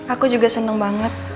aku juga seneng banget